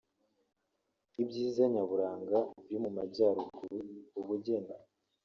ibyiza nyaburanga biri mu Majyaruguru (ubugeni